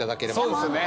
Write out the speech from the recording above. そうですよね。